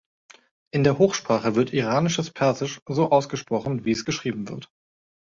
In der Hochsprache wird iranisches Persisch so ausgesprochen, wie es geschrieben wird.